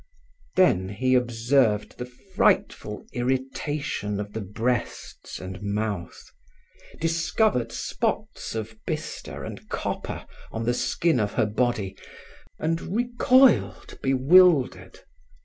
Then he observed the frightful irritation of the breasts and mouth, discovered spots of bister and copper on the skin of her body, and recoiled bewildered.